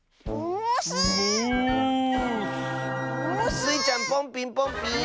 スイちゃんポンピンポンピーン！